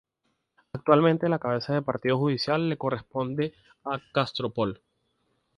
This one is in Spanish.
Actualmente la cabeza de partido judicial le corresponde a Castropol.